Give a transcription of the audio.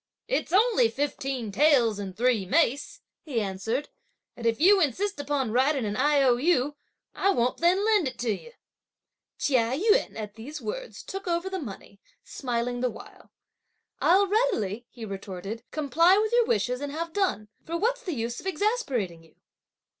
"It's only fifteen taels and three mace," he answered, "and if you insist upon writing an I.O.U., I won't then lend it to you!" Chia Yün at these words, took over the money, smiling the while. "I'll readily," he retorted, "comply with your wishes and have done; for what's the use of exasperating you!"